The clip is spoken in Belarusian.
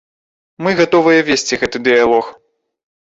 Мы гатовыя весці гэты дыялог.